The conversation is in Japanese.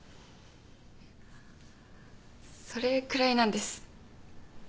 それくらいなんです